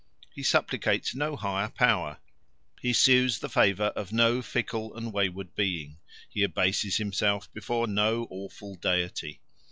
He supplicates no higher power: he sues the favour of no fickle and wayward being: he abases himself before no awful deity.